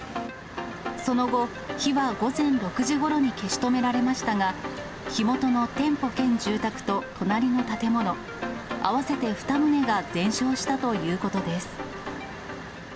その後、火は午前６時ごろに消し止められましたが、火元の店舗兼住宅と隣の建物、合わせて２棟が全焼したということです。